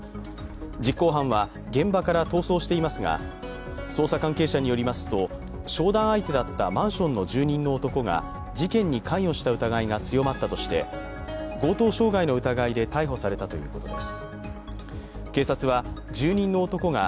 実行犯は現場から逃走していますが、捜査関係者によりますと商談相手だったマンションの住人の男が事件に関与した疑いが強まったとして、強盗傷害の疑いで逮捕されたということです。